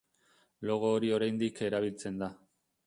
Logo hori oraindik erabiltzen da.